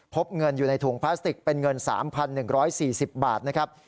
พบเงินอยู่ในถุงพลาสติกเป็นเงิน๓๑๔๐บาทนะครับ